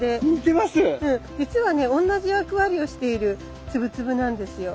じつはね同じ役割をしているツブツブなんですよ。